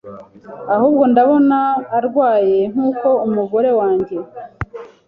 ahubwo ndabona arwaye nkuko umugore wanjye